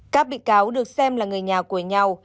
các bị cáo được xem là người nhà của nhau